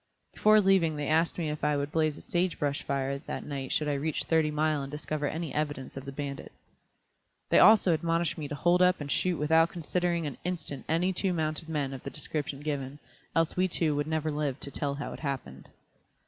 Before leaving they asked me if I would blaze a sage brush fire that night should I reach Thirty Mile and discover any evidence of the bandits. They also admonished me to hold up and shoot without considering an instant any two mounted men of the description given, else we two would never live to tell how it happened.